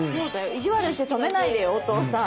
意地悪して止めないでよお父さん。